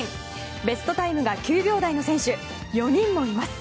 ベストタイムが９秒台の選手４人もいます。